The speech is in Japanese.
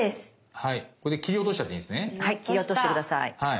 はい切り落として下さい。